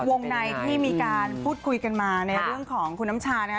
แต่ที่วงไหนที่มีการพูดคุยกันมาในเรื่องของคุณน้ำชาตินะ